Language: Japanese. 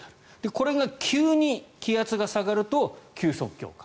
これが急に気圧が下がると急速強化。